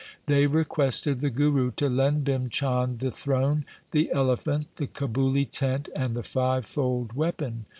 They requested the Guru to lend Bhim Chand the throne, the elephant, the Kabuli tent, and the five fold weapon.